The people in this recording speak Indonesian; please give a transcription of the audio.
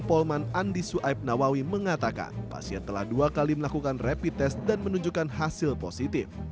polman andi suaib nawawi mengatakan pasien telah dua kali melakukan rapid test dan menunjukkan hasil positif